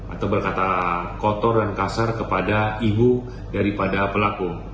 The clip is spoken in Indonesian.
atau berkata kotor dan kasar kepada ibu daripada pelaku